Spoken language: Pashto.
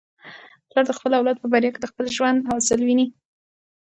پلار د خپل اولاد په بریا کي د خپل ژوند حاصل ویني.